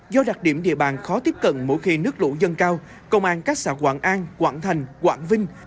do đặc điểm địa bàn khó tiếp cận mỗi khi nước lũ dâng cao công an các xã quảng an quảng thành quảng vinh